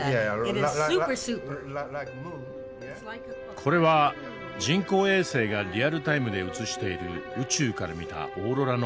これは人工衛星がリアルタイムで映している宇宙から見たオーロラの映像。